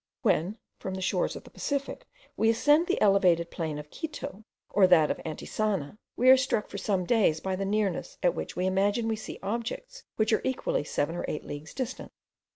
When from the shores of the Pacific we ascend the elevated plain of Quito, or that of Antisana, we are struck for some days by the nearness at which we imagine we see objects which are actually seven or eight leagues distant.